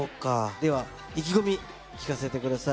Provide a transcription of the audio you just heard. では、意気込み、聞かせてください。